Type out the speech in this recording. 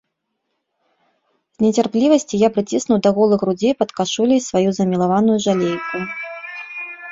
З нецярплівасці я прыціснуў да голых грудзей пад кашуляй сваю замілаваную жалейку.